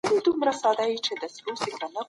د مغولو تېروتني د خلکو په یاد دي.